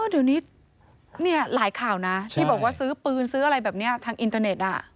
เดี๋ยวนี้หลายข่าวนะที่บอกว่าซื้อปืนซื้ออะไรแบบนี้ทางอินเตอร์เน็ต